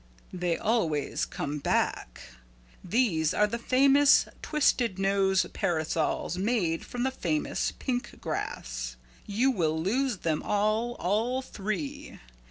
"They always come back. These are the famous twisted nose parasols made from the famous pink grass. You will lose them all, all three.